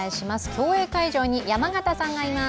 競泳会場に山形さんがいます。